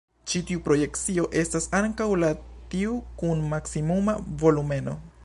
Ĉi tiu projekcio estas ankaŭ la tiu kun maksimuma volumeno.